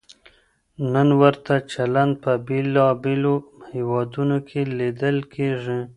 نن ورته چلند په بېلابېلو هېوادونو کې لیدل کېږي.